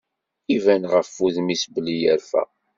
Iban ɣef wudem-is belli yerfa.